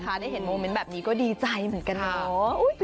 ถ้าได้เห็นโมเม้นต์แบบนี้ก็ดีใจเหมือนกันอ่อสุดเต้น